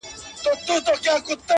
کيږي او ژورېږي،